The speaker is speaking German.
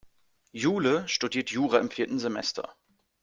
Jule studiert Jura im vierten Semester.